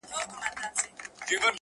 د دروازې په ځینځیر ځان مشغولوینه-